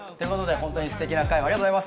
本当にステキな回をありがとうございます。